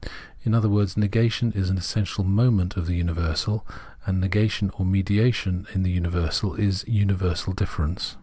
In other words, negation is an essential moment of the universal ; and negation, or mediation in the universal, is universal difference.